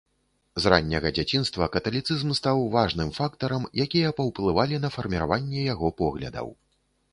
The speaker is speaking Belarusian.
З ранняга дзяцінства каталіцызм стаў важным фактарам, якія паўплывалі на фарміраванне яго поглядаў.